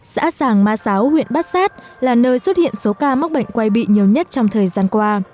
xã sàng ma xáo huyện bát sát là nơi xuất hiện số ca mắc bệnh quay bị nhiều nhất trong thời gian qua